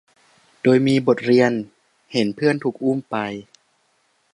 โดยมีบทเรียนเห็นเพื่อนถูกอุ้มไป